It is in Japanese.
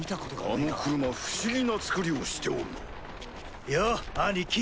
あの車不思議な造りをしておるな・よう兄貴。